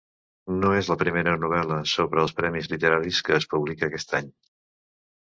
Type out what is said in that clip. No és la primera novel·la sobre els premis literaris que es publica aquest any